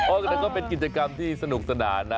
โอเคแล้วก็เป็นกิจกรรมที่สนุกสนาน